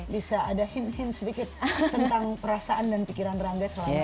bisa ada hint hint sedikit tentang perasaan dan pikiran rangga selama di new york